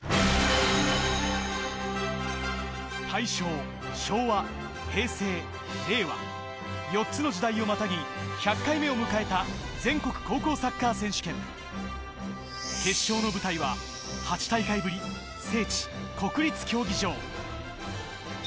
大正、昭和、平成、令和、４つの時代をまたぎ１００回目を迎えた決勝の舞台は８大会ぶり聖地・国立競技場。